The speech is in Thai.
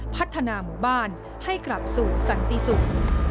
พัฒนาหมู่บ้านให้กลับสู่สันติสุข